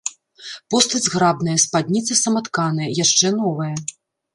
Постаць зграбная, спадніца саматканая, яшчэ новая.